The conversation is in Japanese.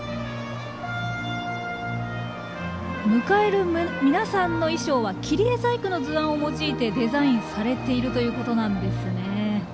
迎える皆さんの衣装はきりえ細工の図案を用いてデザインされているということなんですね。